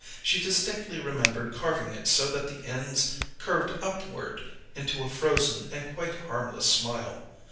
She distinctly remembered carving it so that the ends curved upward into a frozen and quite harmless smile.